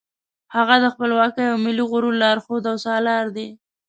هغه د خپلواکۍ او ملي غرور لارښود او سالار دی.